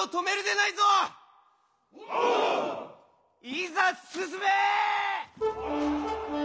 いざ進め！